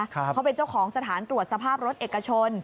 เขาเป็นเจ้าของสถานตรวจสภาพรถเอกชน